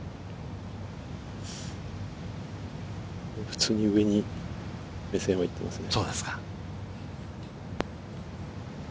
普通に上に目線は行っていますね。